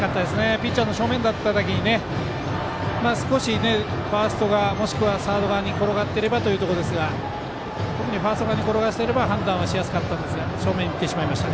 ピッチャーの正面だっただけに少しファースト、もしくはサード側に転がっていればですが特にファースト側に転がっていれば判断はしやすかったんですが正面に行ってしまいました。